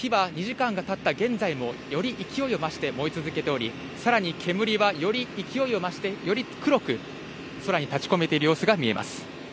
火は２時間たった現在もより勢いを増して燃え続けており、さらに煙はより勢いを増して、より黒く空に立ち込めている様子が見えます。